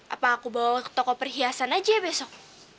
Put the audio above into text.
apa aku bawa ke toko perhiasan aja ya besok